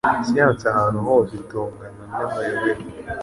Siyanse ahantu hose itongana n'amayobera